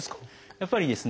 やっぱりですね